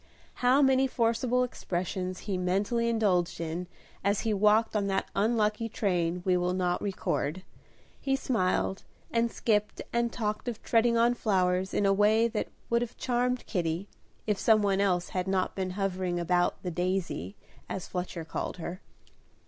How many forcible expressions he mentally indulged in as he walked on that unlucky train we will not record; he smiled and skipped and talked of treading on flowers in a way that would have charmed Kitty, if some one else had not been hovering about "The Daisy," as Fletcher called her.